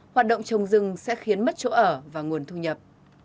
hoạt động trồng rừng sẽ khiến mất chỗ ở và nguồn thu nhập